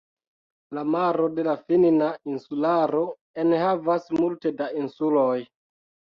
La Maro de la Finna Insularo enhavas multe da insuloj.